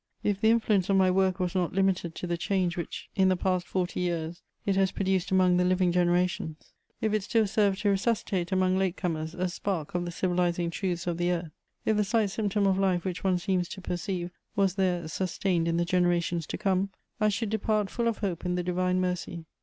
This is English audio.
If the influence of my work was not limited to the change which, in the past forty years, it has produced among the living generations; if it still served to resuscitate among late comers a spark of the civilizing truths of the earth; if the slight symptom of life which one seems to perceive was there sustained in the generations to come, I should depart full of hope in the divine mercy.